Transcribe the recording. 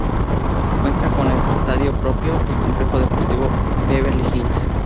Cuenta con estadio propio, el Complejo Deportivo Beverly Hills.